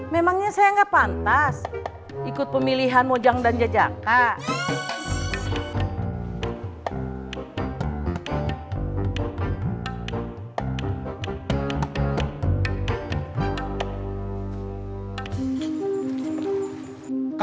memangnya saya gak pantas ikut pemilihan mojang dan jaca kota